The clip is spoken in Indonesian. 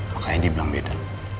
makanya dibilang beda